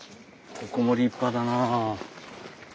ここも立派だなあ。